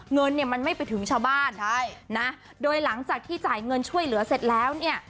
เงินเนี่ยมันไม่ไปถึงชาวบ้านใช่นะโดยหลังจากที่จ่ายเงินช่วยเหลือเสร็จแล้วเนี่ย